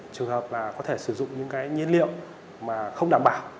trường hợp là có thể sử dụng những cái nhiên liệu mà không đảm bảo